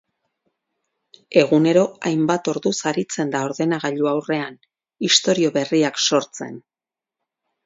Egunero hainbat orduz aritzen da ordenagailu aurrean, istorio berriak sortzen.